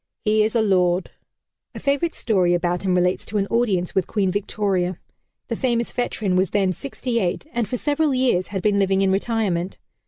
He is a lord!" A favorite story about him relates to an audience with Queen Victoria. The famous veteran was then sixty eight and for several years had been living in retirement.